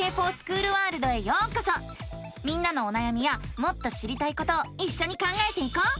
みんなのおなやみやもっと知りたいことをいっしょに考えていこう！